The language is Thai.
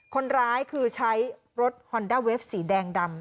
คนร้ายคือใช้รถฮอนด้าเวฟสีแดงดำ